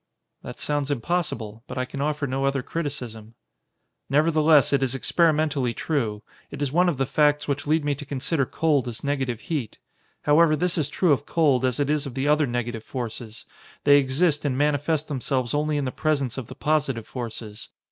"That sounds impossible. But I can offer no other criticism." "Nevertheless, it is experimentally true. It is one of the facts which lead me to consider cold as negative heat. However, this is true of cold, as it is of the other negative forces; they exist and manifest themselves only in the presence of the positive forces.